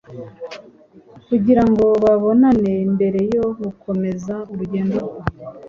kugira ngo babonane mbere yo gukomeza urugendo rwe.